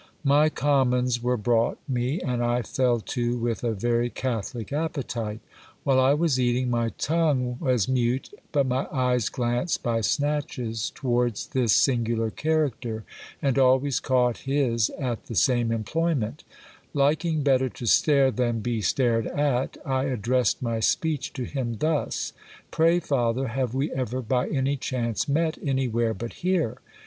My commons were brought me, and I fell to with a very catholic appetite. While I was eating, my tongue was mute, but my eyes glanced by snatches towards this singular character, and always caught his at the same employment Liking better to stare than be stared at I addressed my speech to him thus : Pray, father, have we ever by any chance met anywhere but here